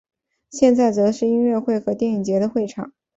现在则是音乐会和电影节的会场。